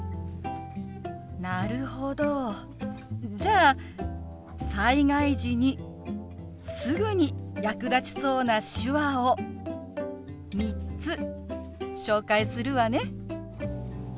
なるほどじゃあ災害時にすぐに役立ちそうな手話を３つ紹介するわね。